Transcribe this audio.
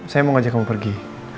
saya mau ngajak kamu pergi